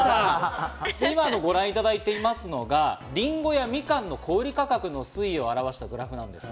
今ご覧いただいていますのが、りんごやみかんの小売価格の推移を表したグラブです。